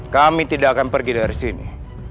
kami tidak akan pergi dari sini